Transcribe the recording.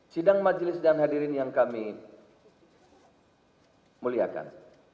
sidang majelis dan hadirin yang kami muliakan